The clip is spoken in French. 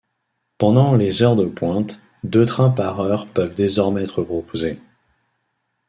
Pendant les heures de pointe, deux trains par heure peuvent désormais être proposés.